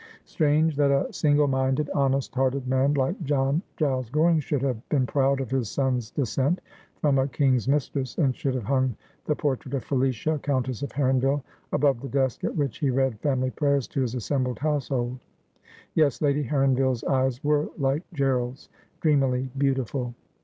Strange that a single minded, honest hearted man like John Giles Goring should have been proud of his son's descent from a king's mistress, and should have hung the portrait of Felicia, Countess of Heronville, above the desk at which he read family prayers to his assembled house hold. Yes ; Lady Heronville's eyes were like Gerald's, dreamily beautiful.